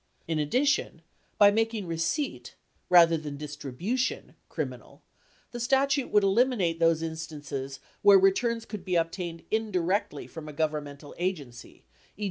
In addition, by making receipt — rather than distribution — criminal, the statute would eliminate those instances where returns could be ob tained indirectly from a governmental agency, e.